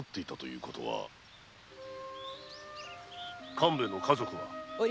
勘兵衛の家族は？